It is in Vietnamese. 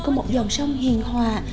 của một dòng sông hiền hòa